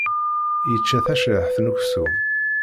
Yečča tacriḥt n uksum.